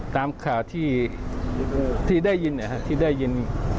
ตามข่าวที่ได้ยินที่ได้ยิน